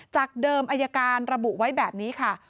จากเดิมอายการระบุไว้แบบนี้ค่ะ